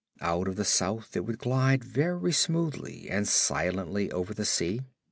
Out of the South it would glide very smoothly and silently over the sea.